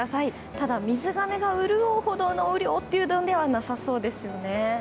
ただ水がめが潤うほどの雨量ではなさそうですよね。